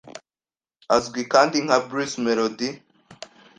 Azwi kandi nka Bruce Melodie,